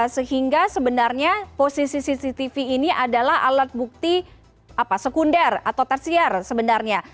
sehingga sebenarnya posisi cctv ini adalah alat bukti sekunder atau tersiar sebenarnya